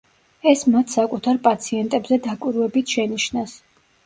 ეს მათ საკუთარ პაციენტებზე დაკვირვებით შენიშნეს.